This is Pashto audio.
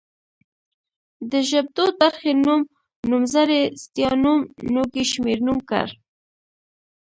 د ژبدود برخې نوم، نومځری ستيانوم ، نوږی شمېرنوم کړ